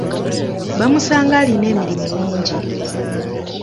Bamusanga alina emirimu mingi.